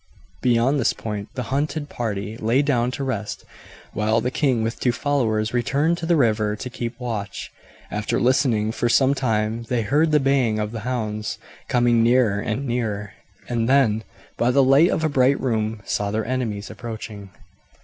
Beyond this point the hunted party lay down to rest, while the king with two followers returned to the river to keep watch. After listening for some time they heard the baying of the hounds coming nearer and nearer, and then, by the light of a bright moon, saw their enemies approaching.